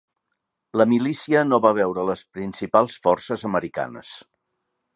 La milícia no va veure les principals forces americanes.